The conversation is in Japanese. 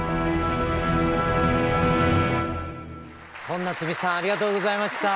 昆夏美さんありがとうございました。